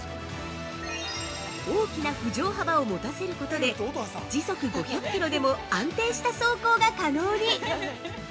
大きな浮上幅を持たせることで時速５００キロでも安定した走行が可能に！